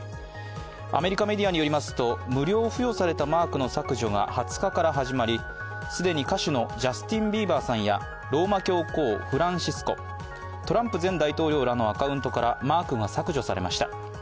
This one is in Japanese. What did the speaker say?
アメリカメディアによりますと無料付与されたマークの削除が２０日から始まり、既に歌手のジャスティン・ビーバーさんやローマ教皇フランシスコ、トランプ前大統領らのアカウントからマークが削除されました。